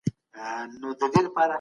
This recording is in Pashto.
شکر لږ وخوره